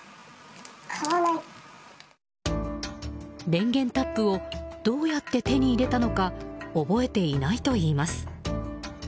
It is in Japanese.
電源タップをどうやって手に入れたのか覚えていないといいます。